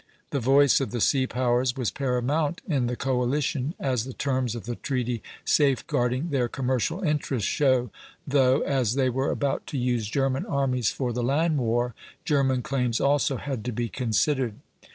The voice of the sea powers was paramount in the coalition, as the terms of the treaty safeguarding their commercial interests show, though, as they were about to use German armies for the land war, German claims also had to be considered.